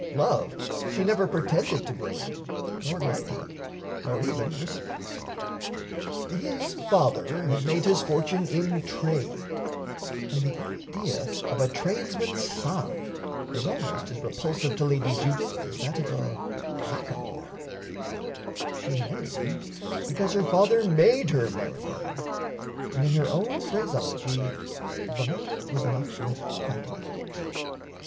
Love she never pretended to bring him, nor liking, nor even respect. His father had made his fortune in trade; and the idea of a tradesman's son was almost as repulsive to Lady Judith as that of a blackamoor. She married him because her father made her marry him, and in her own phraseology "the matter was not worth fighting about."